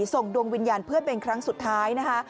ส่งดวงวิญญาณเพื่อนเป็นครั้งสุดท้ายนะคะ